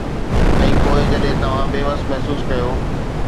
۽ پوءِ جڏهن توهان بيوس محسوس ڪيو.